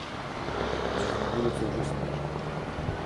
Але ж на вуліцы ўжо снежань.